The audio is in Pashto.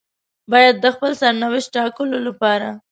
بايد د خپل سرنوشت ټاکلو لپاره.